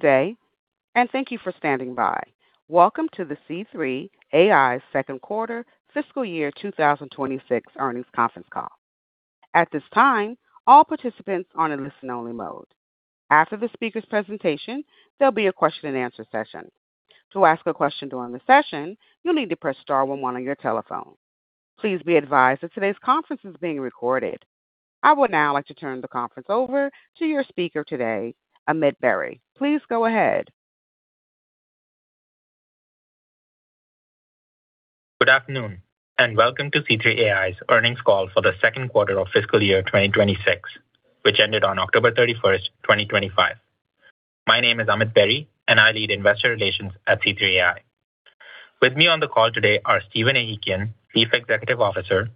Today, and thank you for standing by. Welcome to the C3 AI Second Quarter Fiscal Year 2026 Earnings Conference Call. At this time, all participants are on a listen-only mode. After the speaker's presentation, there'll be a question-and-answer session. To ask a question during the session, you'll need to press star one on your telephone. Please be advised that today's conference is being recorded. I would now like to turn the conference over to your speaker today, Amit Berry. Please go ahead. Good afternoon, and welcome to C3 AI's Earnings Call for the second quarter of fiscal year 2026, which ended on October 31st, 2025. My name is Amit Berry, and I lead investor relations at C3 AI. With me on the call today are Stephen Ehikian, Chief Executive Officer,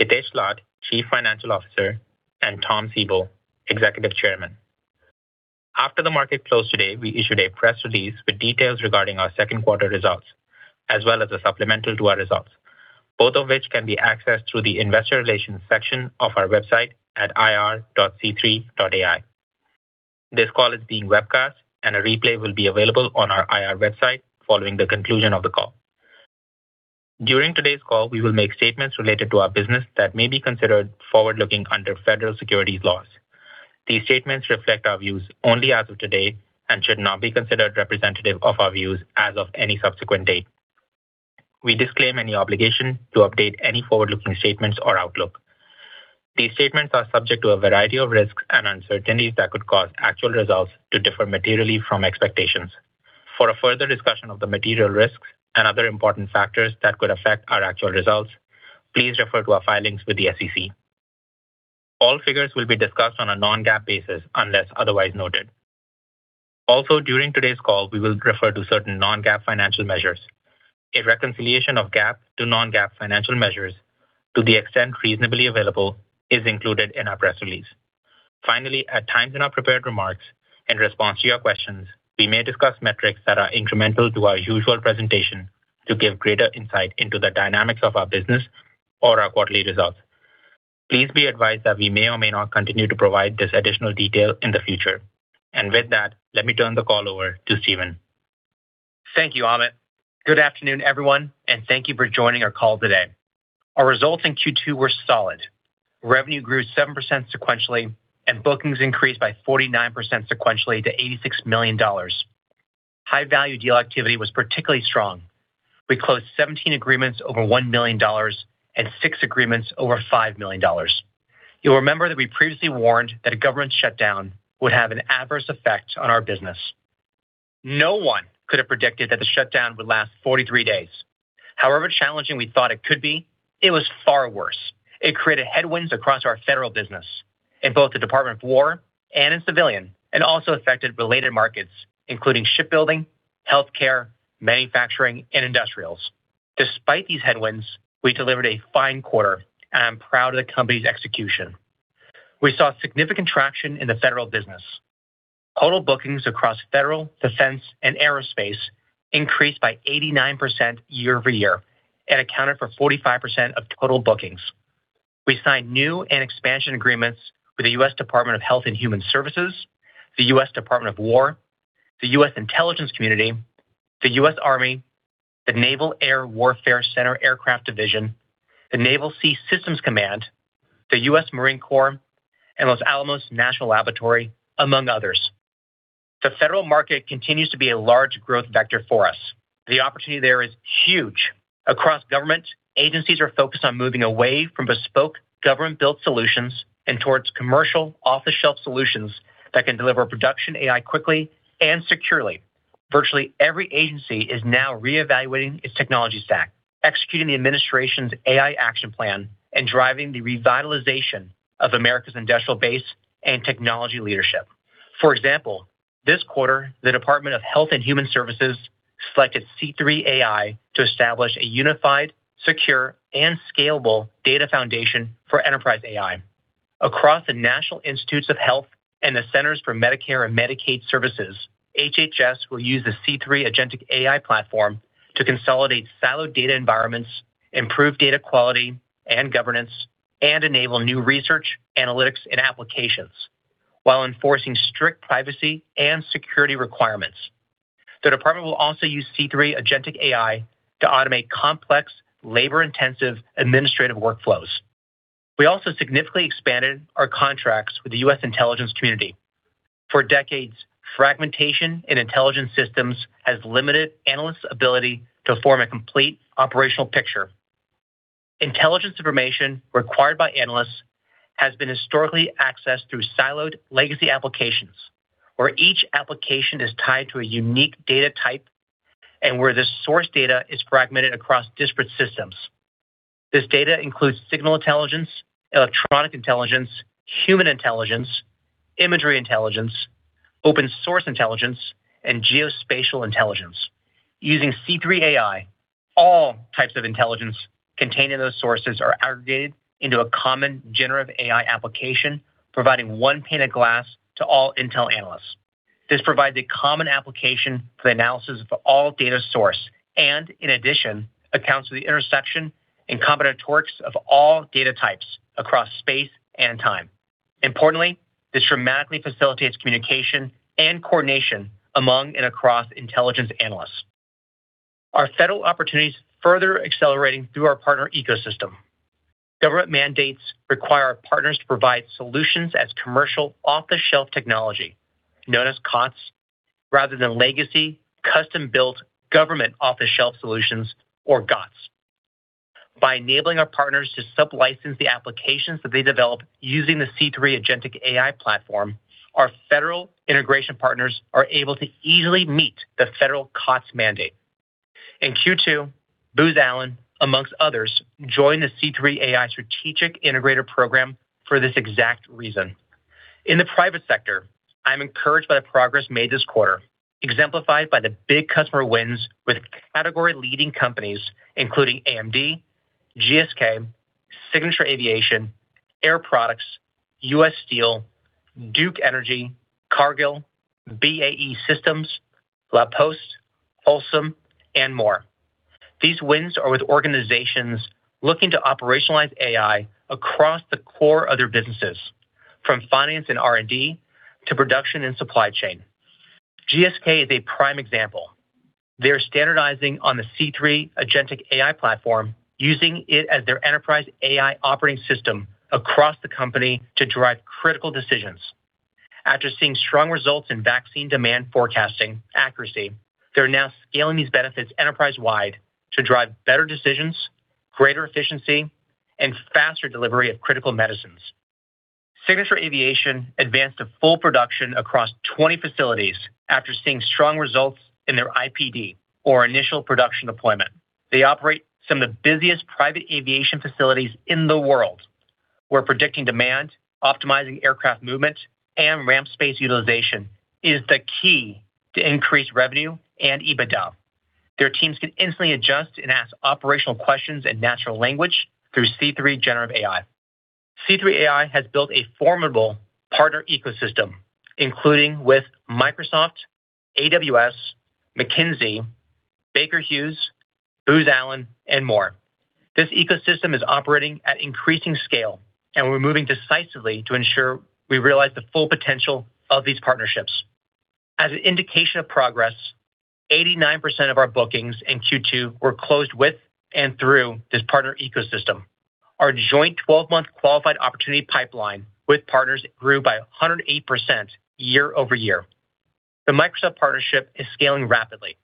Hitesh Lath, Chief Financial Officer, and Tom Siebel, Executive Chairman. After the market closed today, we issued a press release with details regarding our second quarter results, as well as a supplemental to our results, both of which can be accessed through the investor relations section of our website at ir.c3.ai. This call is being webcast, and a replay will be available on our IR website following the conclusion of the call. During today's call, we will make statements related to our business that may be considered forward-looking under federal securities laws. These statements reflect our views only as of today and should not be considered representative of our views as of any subsequent date. We disclaim any obligation to update any forward-looking statements or outlook. These statements are subject to a variety of risks and uncertainties that could cause actual results to differ materially from expectations. For a further discussion of the material risks and other important factors that could affect our actual results, please refer to our filings with the SEC. All figures will be discussed on a non-GAAP basis unless otherwise noted. Also, during today's call, we will refer to certain non-GAAP financial measures. A reconciliation of GAAP to non-GAAP financial measures, to the extent reasonably available, is included in our press release. Finally, at times in our prepared remarks, in response to your questions, we may discuss metrics that are incremental to our usual presentation to give greater insight into the dynamics of our business or our quarterly results. Please be advised that we may or may not continue to provide this additional detail in the future, and with that, let me turn the call over to Stephen. Thank you, Amit. Good afternoon, everyone, and thank you for joining our call today. Our results in Q2 were solid. Revenue grew 7% sequentially, and bookings increased by 49% sequentially to $86 million. High-value deal activity was particularly strong. We closed 17 agreements over $1 million and six agreements over $5 million. You'll remember that we previously warned that a government shutdown would have an adverse effect on our business. No one could have predicted that the shutdown would last 43 days. However challenging we thought it could be, it was far worse. It created headwinds across our federal business, in both the Department of Defense and in civilian, and also affected related markets, including shipbuilding, healthcare, manufacturing, and industrials. Despite these headwinds, we delivered a fine quarter, and I'm proud of the company's execution. We saw significant traction in the federal business. Total bookings across federal, defense, and aerospace increased by 89% year-over-year and accounted for 45% of total bookings. We signed new and expansion agreements with the U.S. Department of Health and Human Services, the U.S. Department of Defense, the U.S. Intelligence Community, the U.S. Army, the Naval Air Warfare Center Aircraft Division, the Naval Sea Systems Command, the U.S. Marine Corps, and Los Alamos National Laboratory, among others. The federal market continues to be a large growth vector for us. The opportunity there is huge. Across government, agencies are focused on moving away from bespoke government-built solutions and towards commercial off-the-shelf solutions that can deliver production AI quickly and securely. Virtually every agency is now reevaluating its technology stack, executing the administration's AI action plan, and driving the revitalization of America's industrial base and technology leadership. For example, this quarter, the Department of Health and Human Services selected C3 AI to establish a unified, secure, and scalable data foundation for enterprise AI. Across the National Institutes of Health and the Centers for Medicare and Medicaid Services, HHS will use the C3 Agentic AI platform to consolidate siloed data environments, improve data quality and governance, and enable new research, analytics, and applications while enforcing strict privacy and security requirements. The department will also use C3 Agentic AI to automate complex, labor-intensive administrative workflows. We also significantly expanded our contracts with the U.S. Intelligence Community. For decades, fragmentation in intelligence systems has limited analysts' ability to form a complete operational picture. Intelligence information required by analysts has been historically accessed through siloed legacy applications, where each application is tied to a unique data type and where the source data is fragmented across disparate systems. This data includes signals intelligence, electronic intelligence, human intelligence, imagery intelligence, open-source intelligence, and geospatial intelligence. Using C3 AI, all types of intelligence contained in those sources are aggregated into a common Generative AI application, providing one pane of glass to all intel analysts. This provides a common application for the analysis of all data sources and, in addition, accounts for the intersection and combinatorics of all data types across space and time. Importantly, this dramatically facilitates communication and coordination among and across intelligence analysts. Our federal opportunities further accelerate through our partner ecosystem. Government mandates require our partners to provide solutions as commercial off-the-shelf technology, known as COTS, rather than legacy, custom-built government off-the-shelf solutions, or GOTS. By enabling our partners to sublicense the applications that they develop using the C3 Agentic AI Platform, our federal integration partners are able to easily meet the federal COTS mandate. In Q2, Booz Allen, amongst others, joined the C3 AI Strategic Integrator Program for this exact reason. In the private sector, I'm encouraged by the progress made this quarter, exemplified by the big customer wins with category-leading companies, including AMD, GSK, Signature Aviation, Air Products, U.S. Steel, Duke Energy, Cargill, BAE Systems, La Poste, Holcim, and more. These wins are with organizations looking to operationalize AI across the core of their businesses, from finance and R&D to production and supply chain. GSK is a prime example. They are standardizing on the C3 agentic AI platform, using it as their enterprise AI operating system across the company to drive critical decisions. After seeing strong results in vaccine demand forecasting accuracy, they're now scaling these benefits enterprise-wide to drive better decisions, greater efficiency, and faster delivery of critical medicines. Signature Aviation advanced to full production across 20 facilities after seeing strong results in their IPD, or initial production deployment. They operate some of the busiest private aviation facilities in the world, where predicting demand, optimizing aircraft movement, and ramp space utilization is the key to increased revenue and EBITDA. Their teams can instantly adjust and ask operational questions in natural language through C3 Generative AI. C3 AI has built a formidable partner ecosystem, including with Microsoft, AWS, McKinsey, Baker Hughes, Booz Allen, and more. This ecosystem is operating at increasing scale, and we're moving decisively to ensure we realize the full potential of these partnerships. As an indication of progress, 89% of our bookings in Q2 were closed with and through this partner ecosystem. Our joint 12-month qualified opportunity pipeline with partners grew by 108% year-over-year. The Microsoft partnership is scaling rapidly.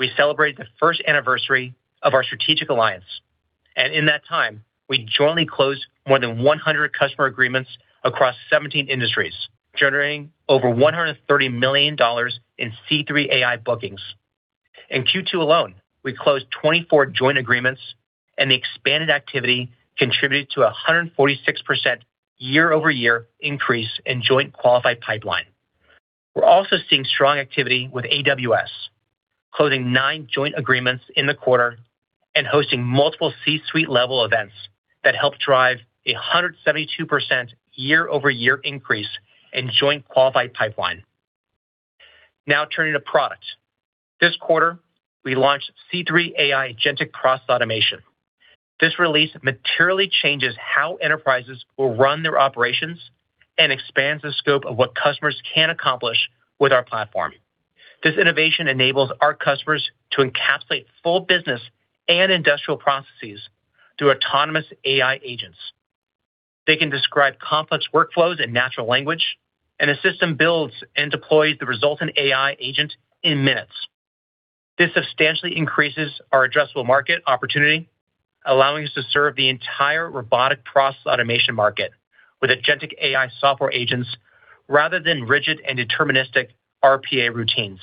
We celebrated the first anniversary of our strategic alliance, and in that time, we jointly closed more than 100 customer agreements across 17 industries, generating over $130 million in C3 AI bookings. In Q2 alone, we closed 24 joint agreements, and the expanded activity contributed to a 146% year-over-year increase in joint qualified pipeline. We're also seeing strong activity with AWS, closing nine joint agreements in the quarter and hosting multiple C-suite-level events that helped drive a 172% year-over-year increase in joint qualified pipeline. Now turning to product. This quarter, we launched C3 AI Agentic Process Automation. This release materially changes how enterprises will run their operations and expands the scope of what customers can accomplish with our platform. This innovation enables our customers to encapsulate full business and industrial processes through autonomous AI agents. They can describe complex workflows in natural language, and the system builds and deploys the resultant AI agent in minutes. This substantially increases our addressable market opportunity, allowing us to serve the entire robotic process automation market with Agentic AI software agents rather than rigid and deterministic RPA routines.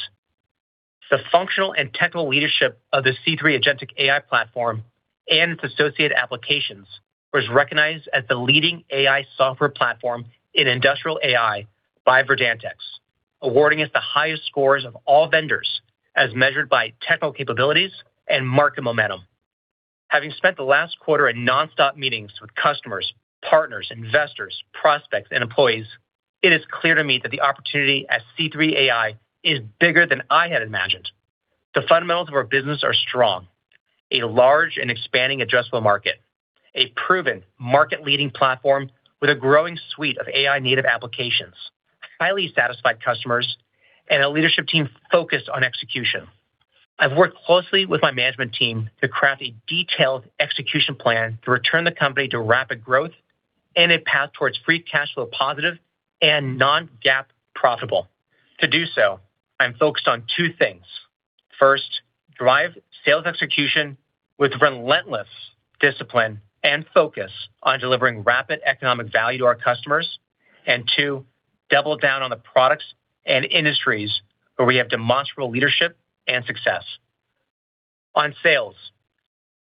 The functional and technical leadership of the C3 Agentic AI platform and its associated applications was recognized as the leading AI software platform in industrial AI by Verdantix, awarding us the highest scores of all vendors as measured by technical capabilities and market momentum. Having spent the last quarter in nonstop meetings with customers, partners, investors, prospects, and employees, it is clear to me that the opportunity at C3 AI is bigger than I had imagined. The fundamentals of our business are strong: a large and expanding addressable market, a proven market-leading platform with a growing suite of AI-native applications, highly satisfied customers, and a leadership team focused on execution. I've worked closely with my management team to craft a detailed execution plan to return the company to rapid growth and a path towards free cash flow positive and non-GAAP profitable. To do so, I'm focused on two things. First, drive sales execution with relentless discipline and focus on delivering rapid economic value to our customers, and two, double down on the products and industries where we have demonstrable leadership and success. On sales,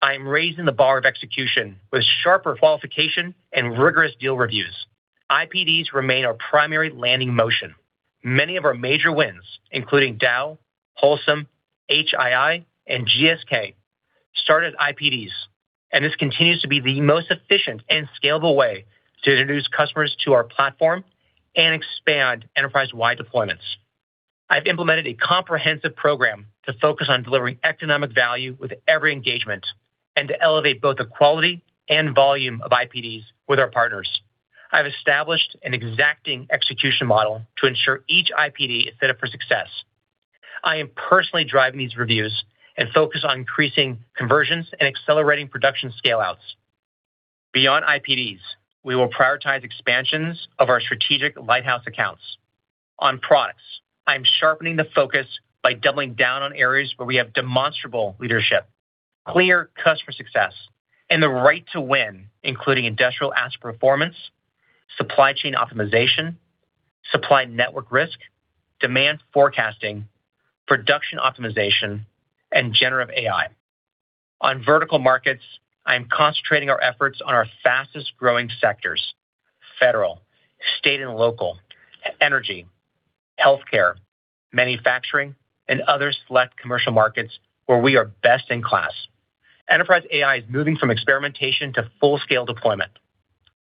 I'm raising the bar of execution with sharper qualification and rigorous deal reviews. IPDs remain our primary landing motion. Many of our major wins, including Dow, Holcim, HII, and GSK, started as IPDs, and this continues to be the most efficient and scalable way to introduce customers to our platform and expand enterprise-wide deployments. I've implemented a comprehensive program to focus on delivering economic value with every engagement and to elevate both the quality and volume of IPDs with our partners. I've established an exacting execution model to ensure each IPD is fitted for success. I am personally driving these reviews and focus on increasing conversions and accelerating production scale-outs. Beyond IPDs, we will prioritize expansions of our strategic lighthouse accounts. On products, I'm sharpening the focus by doubling down on areas where we have demonstrable leadership, clear customer success, and the right to win, including industrial asset performance, supply chain optimization, supply network risk, demand forecasting, production optimization, and generative AI. On vertical markets, I'm concentrating our efforts on our fastest-growing sectors: federal, state, and local, energy, healthcare, manufacturing, and other select commercial markets where we are best in class. Enterprise AI is moving from experimentation to full-scale deployment.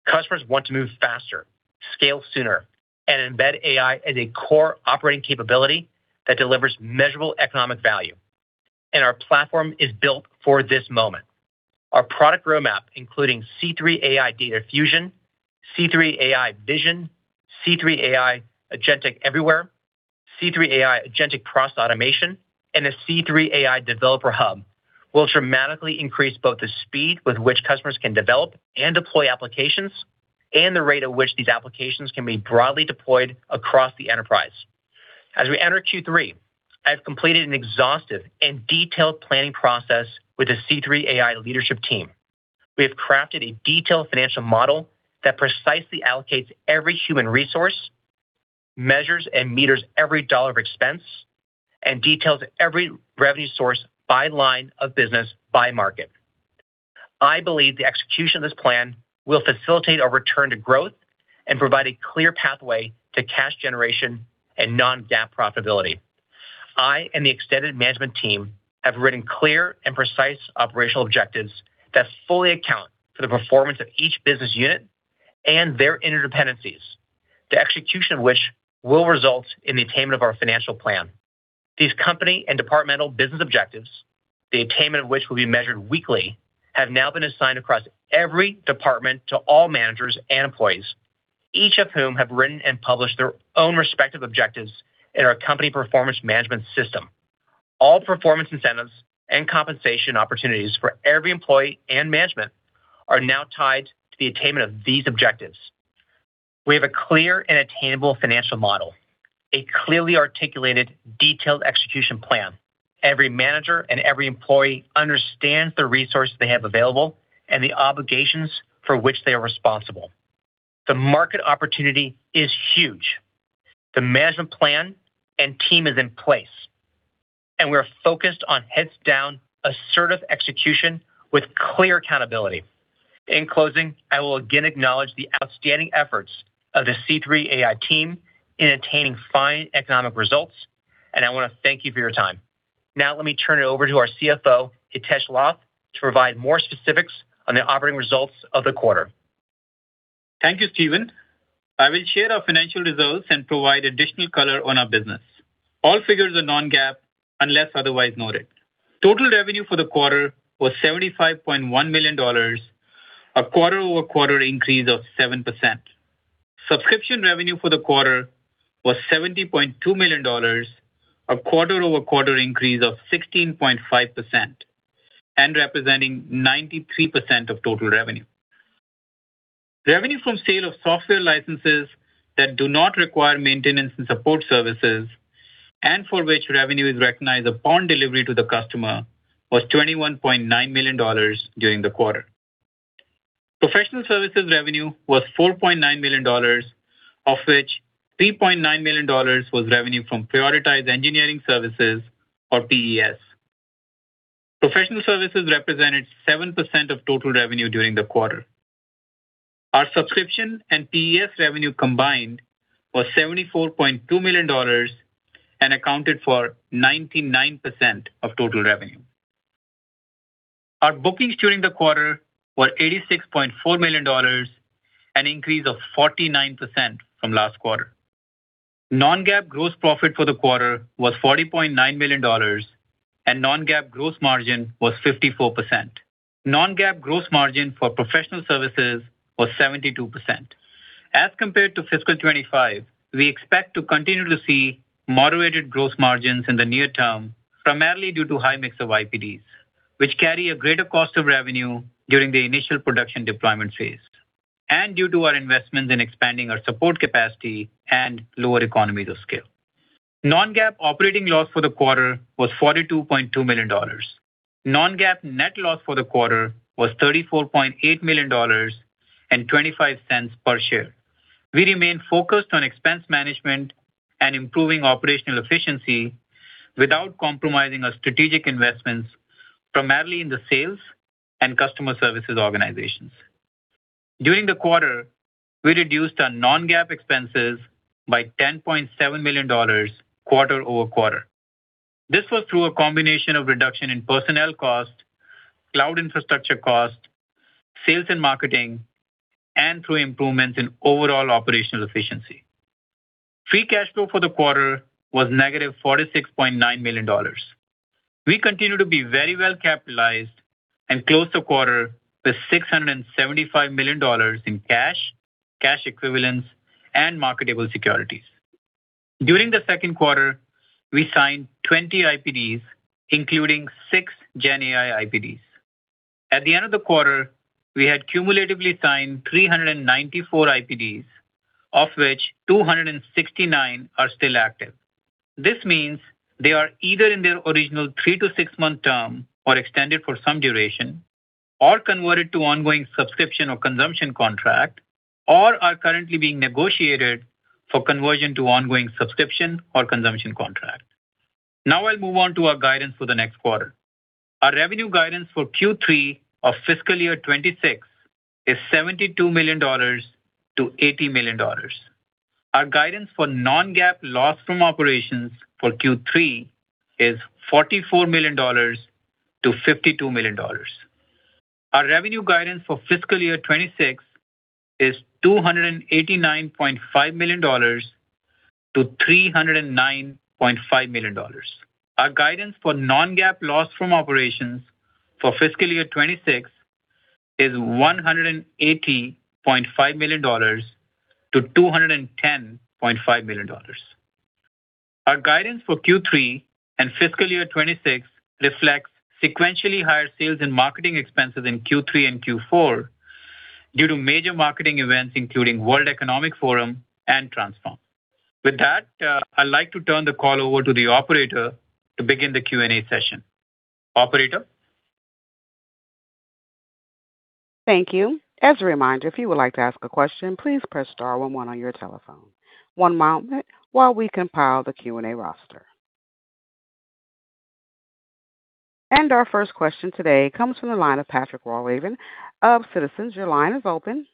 Customers want to move faster, scale sooner, and embed AI as a core operating capability that delivers measurable economic value, and our platform is built for this moment. Our product roadmap, including C3 AI Data Fusion, C3 AI Vision, C3 AI Agentic Everywhere, C3 AI Agentic Process Automation, and a C3 AI Developer Hub, will dramatically increase both the speed with which customers can develop and deploy applications and the rate at which these applications can be broadly deployed across the enterprise. As we enter Q3, I've completed an exhaustive and detailed planning process with the C3 AI leadership team. We have crafted a detailed financial model that precisely allocates every human resource, measures and meters every dollar of expense, and details every revenue source by line of business by market. I believe the execution of this plan will facilitate our return to growth and provide a clear pathway to cash generation and non-GAAP profitability. I and the extended management team have written clear and precise operational objectives that fully account for the performance of each business unit and their interdependencies, the execution of which will result in the attainment of our financial plan. These company and departmental business objectives, the attainment of which will be measured weekly, have now been assigned across every department to all managers and employees, each of whom have written and published their own respective objectives in our company performance management system. All performance incentives and compensation opportunities for every employee and management are now tied to the attainment of these objectives. We have a clear and attainable financial model, a clearly articulated, detailed execution plan. Every manager and every employee understands the resources they have available and the obligations for which they are responsible. The market opportunity is huge. The management plan and team is in place, and we are focused on heads-down, assertive execution with clear accountability. In closing, I will again acknowledge the outstanding efforts of the C3 AI team in attaining fine economic results, and I want to thank you for your time. Now, let me turn it over to our CFO, Hitesh Lath, to provide more specifics on the operating results of the quarter. Thank you, Stephen. I will share our financial results and provide additional color on our business. All figures are non-GAAP unless otherwise noted. Total revenue for the quarter was $75.1 million, a quarter-over-quarter increase of 7%. Subscription revenue for the quarter was $70.2 million, a quarter-over-quarter increase of 16.5%, and representing 93% of total revenue. Revenue from sale of software licenses that do not require maintenance and support services, and for which revenue is recognized upon delivery to the customer, was $21.9 million during the quarter. Professional services revenue was $4.9 million, of which $3.9 million was revenue from prioritized engineering services, or PES. Professional services represented 7% of total revenue during the quarter. Our subscription and PES revenue combined was $74.2 million and accounted for 99% of total revenue. Our bookings during the quarter were $86.4 million, an increase of 49% from last quarter. Non-GAAP gross profit for the quarter was $40.9 million, and non-GAAP gross margin was 54%. Non-GAAP gross margin for professional services was 72%. As compared to fiscal 2025, we expect to continue to see moderated gross margins in the near term, primarily due to high mix of IPDs, which carry a greater cost of revenue during the initial production deployment phase, and due to our investments in expanding our support capacity and lower economies of scale. Non-GAAP operating loss for the quarter was $42.2 million. Non-GAAP net loss for the quarter was $34.8 million and $0.25 per share. We remain focused on expense management and improving operational efficiency without compromising our strategic investments, primarily in the sales and customer services organizations. During the quarter, we reduced our non-GAAP expenses by $10.7 million quarter-over-quarter. This was through a combination of reduction in personnel cost, cloud infrastructure cost, sales and marketing, and through improvements in overall operational efficiency. Free cash flow for the quarter was negative $46.9 million. We continue to be very well capitalized and closed the quarter with $675 million in cash, cash equivalents, and marketable securities. During the second quarter, we signed 20 IPDs, including six GenAI IPDs. At the end of the quarter, we had cumulatively signed 394 IPDs, of which 269 are still active. This means they are either in their original three to six-month term or extended for some duration, or converted to ongoing subscription or consumption contract, or are currently being negotiated for conversion to ongoing subscription or consumption contract. Now, I'll move on to our guidance for the next quarter. Our revenue guidance for Q3 of fiscal year 2026 is $72 million to $80 million. Our guidance for non-GAAP loss from operations for Q3 is $44 million-$52 million. Our revenue guidance for fiscal year 2026 is $289.5 million-$309.5 million. Our guidance for non-GAAP loss from operations for fiscal year 2026 is $180.5 million-$210.5 million. Our guidance for Q3 and fiscal year 2026 reflects sequentially higher sales and marketing expenses in Q3 and Q4 due to major marketing events, including World Economic Forum and Transform. With that, I'd like to turn the call over to the operator to begin the Q&A session. Operator. Thank you. As a reminder, if you would like to ask a question, please press star one one on your telephone. One moment while we compile the Q&A roster. Our first question today comes from the line of Patrick Walravens of Citizens. Your line is open.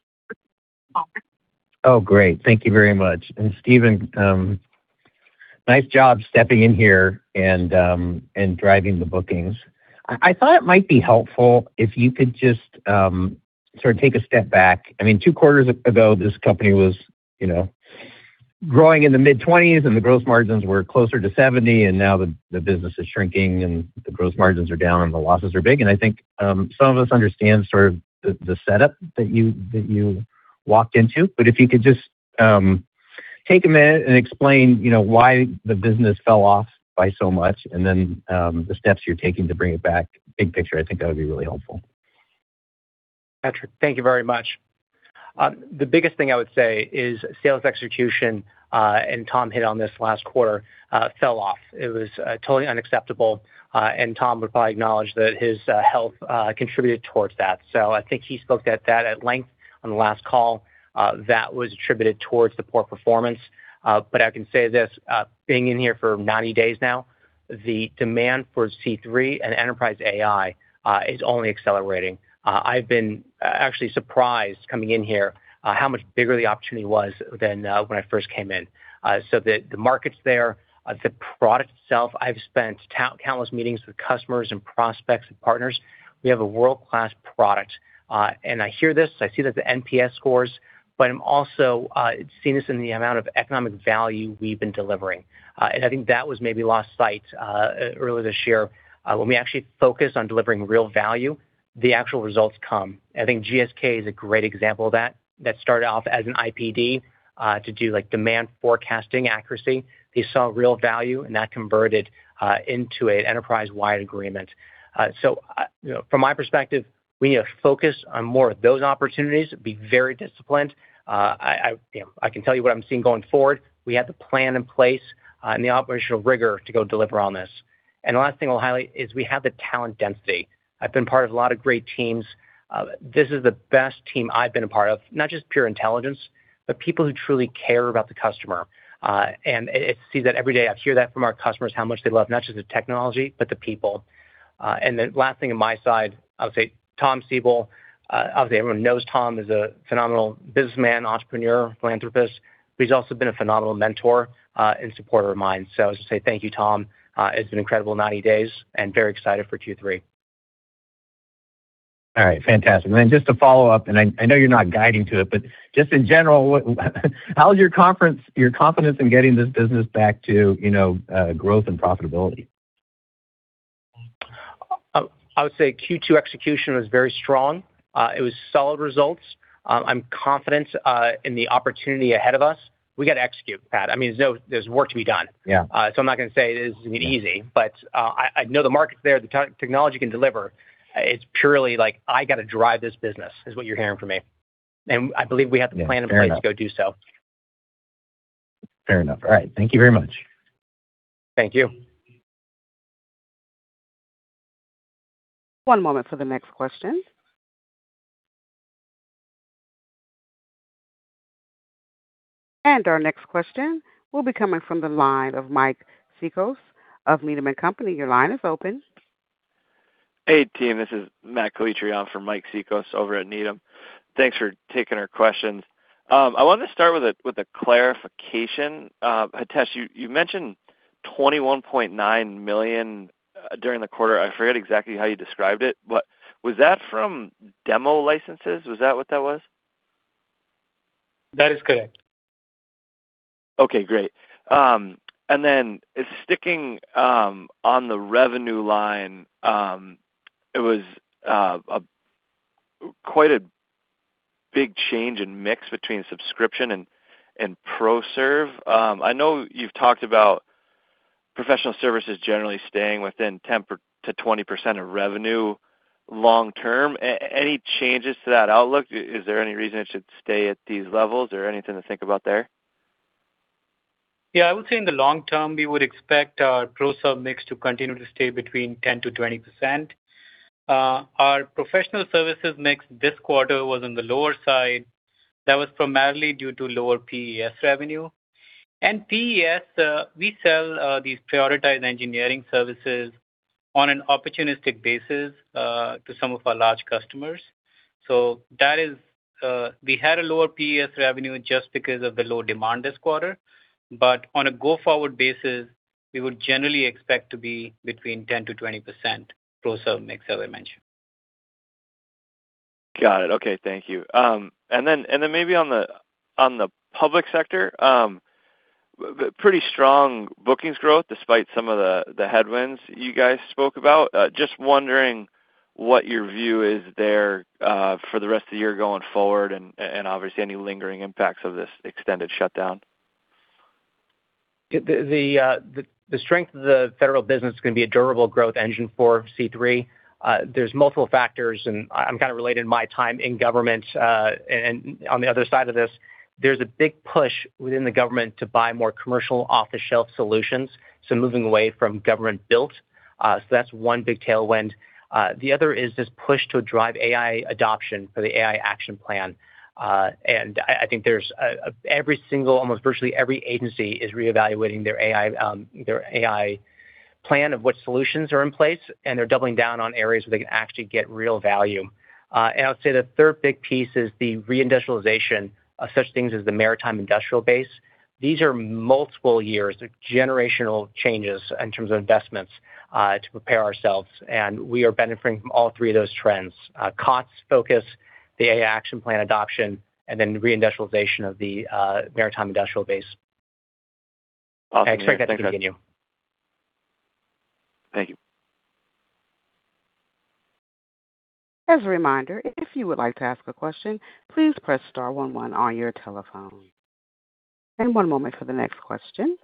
Oh, great. Thank you very much. And Stephen, nice job stepping in here and driving the bookings. I thought it might be helpful if you could just sort of take a step back. I mean, two quarters ago, this company was growing in the mid-20s, and the gross margins were closer to 70, and now the business is shrinking, and the gross margins are down, and the losses are big. And I think some of us understand sort of the setup that you walked into. But if you could just take a minute and explain why the business fell off by so much, and then the steps you're taking to bring it back, big picture, I think that would be really helpful. Patrick, thank you very much. The biggest thing I would say is sales execution, and Tom hit on this last quarter, fell off. It was totally unacceptable, and Tom would probably acknowledge that his health contributed towards that. So I think he spoke at that at length on the last call. That was attributed towards the poor performance. But I can say this, being in here for 90 days now, the demand for C3 and enterprise AI is only accelerating. I've been actually surprised coming in here how much bigger the opportunity was than when I first came in. So the market's there. The product itself, I've spent countless meetings with customers and prospects and partners. We have a world-class product. And I hear this. I see that the NPS scores, but I'm also seeing this in the amount of economic value we've been delivering. And I think that was maybe lost sight earlier this year. When we actually focus on delivering real value, the actual results come. I think GSK is a great example of that. That started off as an IPD to do demand forecasting accuracy. They saw real value, and that converted into an enterprise-wide agreement. So from my perspective, we need to focus on more of those opportunities. Be very disciplined. I can tell you what I'm seeing going forward. We have the plan in place and the operational rigor to go deliver on this. And the last thing I'll highlight is we have the talent density. I've been part of a lot of great teams. This is the best team I've been a part of, not just pure intelligence, but people who truly care about the customer. And I see that every day. I hear that from our customers, how much they love not just the technology, but the people. And the last thing on my side, I'll say Tom Siebel. Obviously, everyone knows Tom is a phenomenal businessman, entrepreneur, philanthropist. But he's also been a phenomenal mentor and supporter of mine. So I just say thank you, Tom. It's been incredible 90 days, and very excited for Q3. All right. Fantastic. And then just to follow up, and I know you're not guiding to it, but just in general, how's your confidence in getting this business back to growth and profitability? I would say Q2 execution was very strong. It was solid results. I'm confident in the opportunity ahead of us. We got to execute, Pat. I mean, there's work to be done. So I'm not going to say it isn't easy, but I know the market's there. The technology can deliver. It's purely like, "I got to drive this business," is what you're hearing from me. And I believe we have the plan in place to go do so. Fair enough. All right. Thank you very much. Thank you. One moment for the next question. And our next question will be coming from the line of Mike Cikos of Needham & Company. Your line is open. Hey, team. This is Matt Quigley on for Mike Cikos over at Needham. Thanks for taking our questions. I wanted to start with a clarification. Hitesh, you mentioned $21.9 million during the quarter. I forget exactly how you described it, but was that from demo licenses? Was that what that was? That is correct. Okay. Great. And then sticking on the revenue line, it was quite a big change and mix between subscription and ProServe. I know you've talked about professional services generally staying within 10%-20% of revenue long-term. Any changes to that outlook? Is there any reason it should stay at these levels or anything to think about there? Yeah. I would say in the long term, we would expect our ProServe mix to continue to stay between 10%-20%. Our professional services mix this quarter was on the lower side. That was primarily due to lower PES revenue. And PES, we sell these prioritized engineering services on an opportunistic basis to some of our large customers. So we had a lower PES revenue just because of the low demand this quarter. But on a go-forward basis, we would generally expect to be between 10%-20% ProServe mix, as I mentioned. Got it. Okay. Thank you. And then maybe on the public sector, pretty strong bookings growth despite some of the headwinds you guys spoke about. Just wondering what your view is there for the rest of the year going forward and obviously any lingering impacts of this extended shutdown? The strength of the federal business is going to be a durable growth engine for C3. There's multiple factors, and I'm kind of related to my time in government, and on the other side of this, there's a big push within the government to buy more commercial off-the-shelf solutions, so moving away from government-built, so that's one big tailwind. The other is this push to drive AI adoption for the AI Action Plan, and I think every single, almost virtually every agency is reevaluating their AI plan of what solutions are in place, and they're doubling down on areas where they can actually get real value, and I would say the third big piece is the reindustrialization of such things as the maritime industrial base. These are multiple years, generational changes in terms of investments to prepare ourselves. We are benefiting from all three of those trends: COTS focus, the AI Action Plan adoption, and then reindustrialization of the maritime industrial base. Awesome. Thank you. I expect that to continue. Thank you. As a reminder, if you would like to ask a question, please press star one one on your telephone. And one moment for the next question.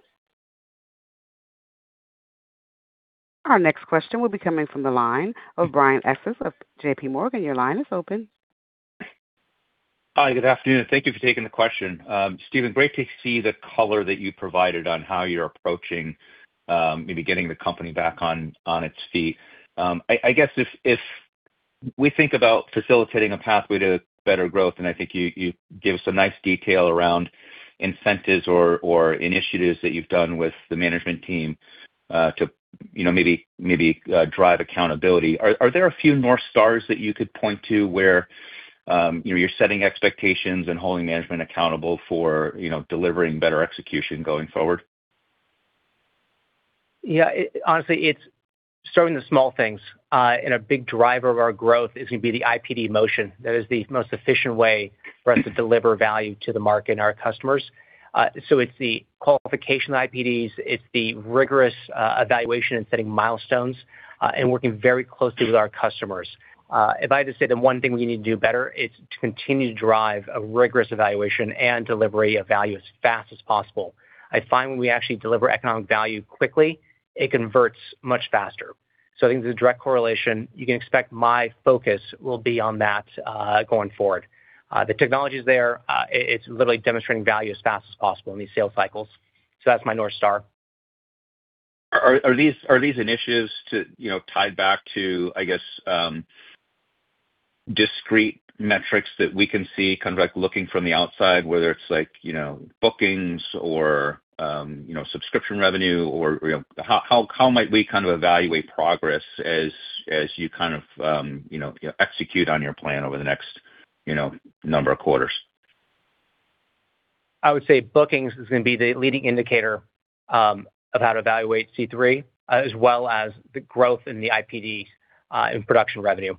Our next question will be coming from the line of Brian Essex of JPMorgan. Your line is open. Hi. Good afternoon. Thank you for taking the question. Stephen, great to see the color that you provided on how you're approaching maybe getting the company back on its feet. I guess if we think about facilitating a pathway to better growth, and I think you gave us some nice detail around incentives or initiatives that you've done with the management team to maybe drive accountability, are there a few more stars that you could point to where you're setting expectations and holding management accountable for delivering better execution going forward? Yeah. Honestly, it's starting with the small things, and a big driver of our growth is going to be the IPD motion. That is the most efficient way for us to deliver value to the market and our customers, so it's the qualification of the IPDs. It's the rigorous evaluation and setting milestones and working very closely with our customers. If I had to say the one thing we need to do better, it's to continue to drive a rigorous evaluation and delivery of value as fast as possible. I find when we actually deliver economic value quickly, it converts much faster, so I think there's a direct correlation. You can expect my focus will be on that going forward. The technology is there. It's literally demonstrating value as fast as possible in these sales cycles, so that's my North Star. Are these initiatives tied back to, I guess, discrete metrics that we can see kind of looking from the outside, whether it's bookings or subscription revenue? How might we kind of evaluate progress as you kind of execute on your plan over the next number of quarters? I would say bookings is going to be the leading indicator of how to evaluate C3, as well as the growth in the IPDs and production revenue.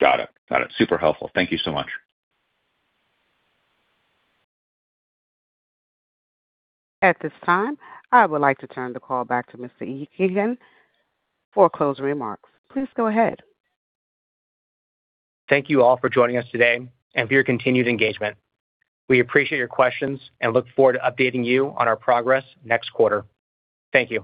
Got it. Got it. Super helpful. Thank you so much. At this time, I would like to turn the call back to Mr. Ehikian for closing remarks. Please go ahead. Thank you all for joining us today and for your continued engagement. We appreciate your questions and look forward to updating you on our progress next quarter. Thank you.